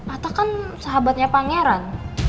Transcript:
atta kan sahabatnya pangeran